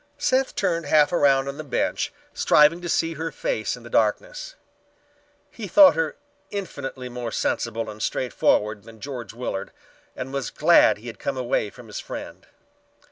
Seth turned half around on the bench, striving to see her face in the darkness. He thought her infinitely more sensible and straightforward than George Willard, and was glad he had come away from his friend.